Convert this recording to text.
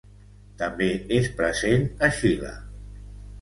També és present a Xile.